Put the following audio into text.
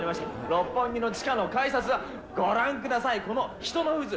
六本木の地下の改札は、ご覧ください、この人の渦。